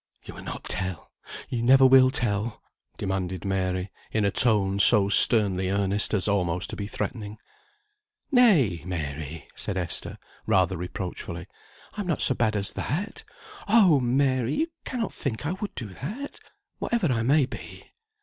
"You will not tell. You never will tell," demanded Mary, in a tone so sternly earnest, as almost to be threatening. "Nay, Mary," said Esther, rather reproachfully, "I am not so bad as that. Oh! Mary, you cannot think I would do that, whatever I may be."